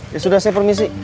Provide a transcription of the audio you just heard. ya sudah saya permisi